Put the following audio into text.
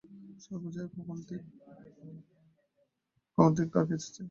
সর্বজয়া কখন থেকে ক্ষার কেচেছে?